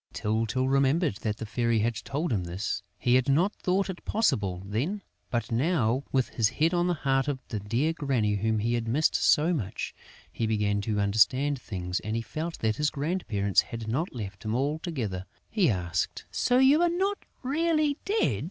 Tyltyl remembered that the Fairy had told him this. He had not thought it possible then; but now, with his head on the heart of the dear Granny whom he had missed so much, he began to understand things and he felt that his grandparents had not left him altogether. He asked: "So you are not really dead?..."